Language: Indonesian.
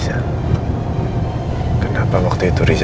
saya sudah etuk untuk membunuhnya